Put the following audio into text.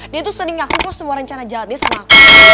dia tuh sering ngaku kok semua rencana jahatnya sama aku